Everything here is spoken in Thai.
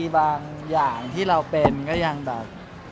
บางอย่างที่เราเป็นก็ยังแบบ